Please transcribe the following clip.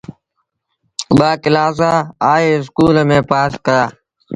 ٻآ ڪلآس هآئي اسڪول ميݩ پآس ڪيآ۔